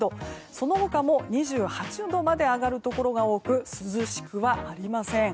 その他も２８度まで上がるところが多く涼しくはありません。